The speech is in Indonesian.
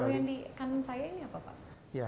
kalau yang di kanan saya ini apa pak